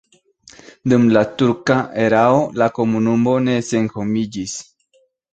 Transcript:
Dum la turka erao la komunumo ne senhomiĝis.